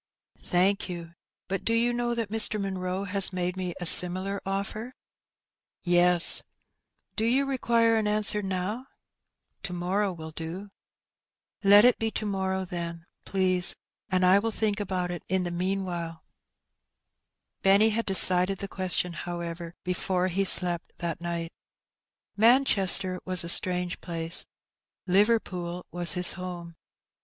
*' ''Thank you; but do you know that Mr. Munroe has made me a similar offer ?The Question Settled. 275 " Yea." "Do you require an answer now/' *^ To morrow will do/' "Let it be to morrow, then, please, and I will think about it in the meanwhile/' Benny had decided the question, however, before he slept that night. Manchester was a strange place, Liverpool was his home.